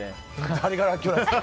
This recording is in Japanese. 誰がラッキョウですか。